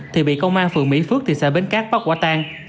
thì bị công an phường mỹ phước thị xã bến cát bắt quả tang